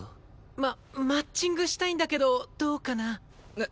ママッチングしたいんだけどどうかな？えっ！？